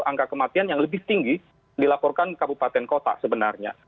angka kematian yang lebih tinggi dilaporkan kabupaten kota sebenarnya